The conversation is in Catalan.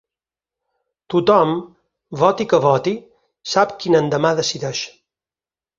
Tothom, voti què voti, sap quin endemà decideix.